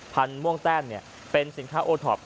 ผันม่วงแต้งเนี่ยเป็นสินค้าโอทอป